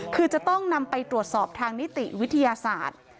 คือจะต้องนำไปตรวจสอบทางนิติวิทยาศาสตร์